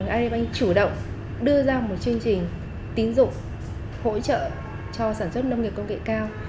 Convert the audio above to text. agribank chủ động đưa ra một chương trình tín dụng hỗ trợ cho sản xuất nông nghiệp công nghệ cao